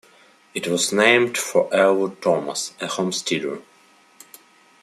It was named for Elwood Thomas, a homesteader.